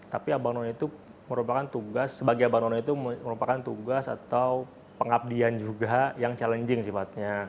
tapi abang none itu merupakan tugas atau pengabdian juga yang challenging sifatnya